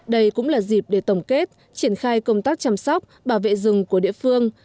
đây cũng là dịp để tổng kết triển khai công tác chăm sóc bảo vệ rừng của địa phương